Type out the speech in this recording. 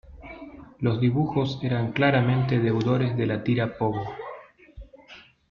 Los dibujos eran claramente deudores de la tira Pogo.